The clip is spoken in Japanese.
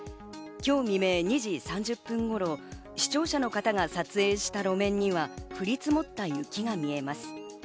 今日未明２時３０分頃、視聴者の方が撮影した路面には降り積もった雪が見えます。